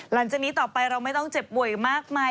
หลังจากนี้ต่อไปเราไม่ต้องเจ็บป่วยมากมาย